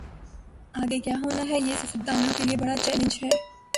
آگے کیا ہوناہے یہ سیاست دانوں کے لئے بڑا چیلنج ہے۔